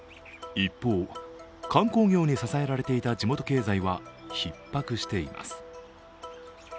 一方、観光業に支えられていた地元経済はひっ迫しています。